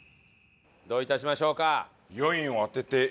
どう致しましょうか？